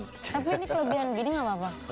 tapi ini kelebihan begini gak apa apa